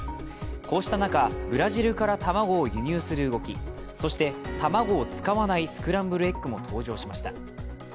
こうした中、ブラジルから卵を輸入する動きそして卵を使わないスクランブルエッグも登場しました。